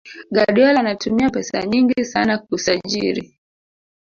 Guardiola anatumia pesa nyingi sana kusajiri